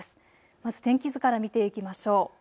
まず天気図から見ていきましょう。